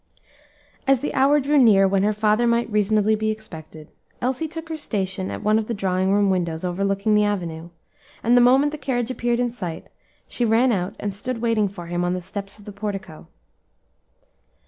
As the hour drew near when her father might reasonably be expected, Elsie took her station at one of the drawing room windows overlooking the avenue, and the moment the carriage appeared in sight, she ran out and stood waiting for him on the steps of the portico.